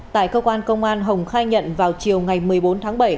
tại cơ quan công an hồng khai nhận vào chiều ngày một mươi bốn tháng bảy